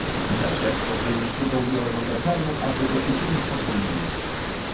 Daszek pokrył sztuką białego perkalu, aby go uczynić podwójnym.